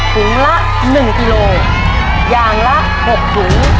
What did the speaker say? ถุงละหนึ่งกิโลยางละหกถุง